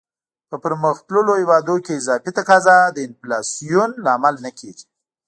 په پرمختللو هیوادونو کې اضافي تقاضا د انفلاسیون لامل نه کیږي.